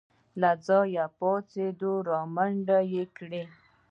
له ځايه پاڅېد رامنډه يې کړه.